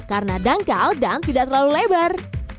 karena dangkal dan tidak terlalu lebar